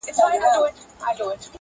زه به دي تل په ياد کي وساتمه~